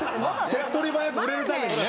手っ取り早く売れるために。